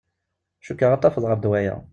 Cukkeɣ ad tafeḍ ɣer ddwa-ya.